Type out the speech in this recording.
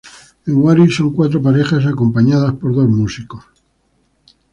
En Huari son cuatro parejas acompañadas por dos músicos.